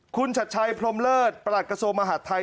คุณชัดชัยพรมเลิศประหลัดกระทรวงมหาดไทย